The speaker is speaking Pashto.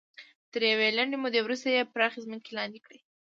تر یوې لنډې مودې وروسته یې پراخې ځمکې لاندې کړې.